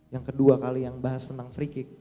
yang kedua kali yang bahas tentang free kick